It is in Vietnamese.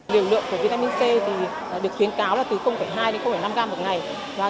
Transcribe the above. liều lượng của vitamin c thì được khuyến cáo là từ hai đến năm gram một ngày